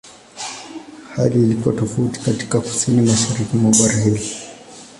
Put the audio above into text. Hali ilikuwa tofauti katika Kusini-Mashariki mwa bara hilo.